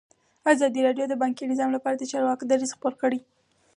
ازادي راډیو د بانکي نظام لپاره د چارواکو دریځ خپور کړی.